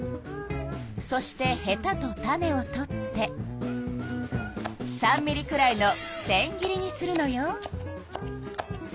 そしてへたと種を取って３ミリくらいのせん切りにするのよ。